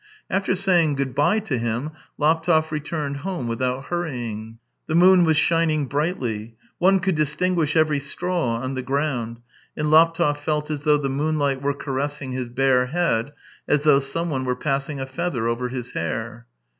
After saying good bye to him Laptev returned home without hurrying. The moon was shining brightly ; one could distinguish every straw on the ground, and Laptev felt as though the moonlight were caressing his bare head, as though someone were passing a feather over his hair.